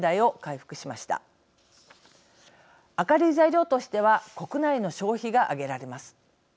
明るい材料としては国内の消費があげられます。